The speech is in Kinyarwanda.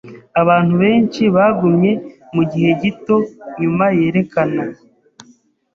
Abantu benshi bagumye mugihe gito nyuma yerekana.